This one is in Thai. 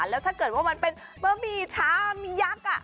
แล้วถ้าเกิดว่ามันเป็นบะหมี่ชามียักษ์